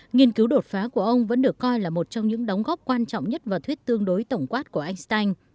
nghiên cứu đột phá của ông vẫn được coi là một trong những đóng góp quan trọng nhất và thuyết tương đối tổng quát của einstein